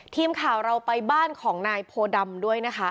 ทีมข่าวเราไปบ้านของนายโพดำด้วยนะคะ